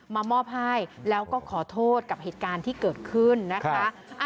มามอบให้แล้วก็ขอโทษกับเหตุการณ์ที่เกิดขึ้นนะคะ